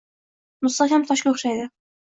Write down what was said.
mustahkam toshga o‘xshaydi.